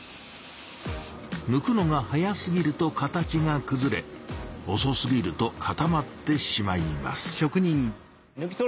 抜くのが早すぎると形がくずれおそすぎると固まってしまいます。